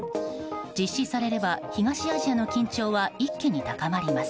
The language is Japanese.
実施されれば東アジアの緊張は一気に高まります。